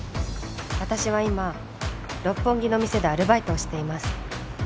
「私は今六本木の店でアルバイトをしています」